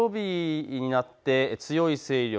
土曜日になって強い勢力